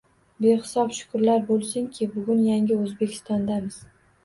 Behisob shukrlar boʻlsinki, bugun yangi Oʻzbekistondamiz